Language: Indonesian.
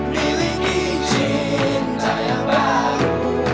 miliki cinta yang baru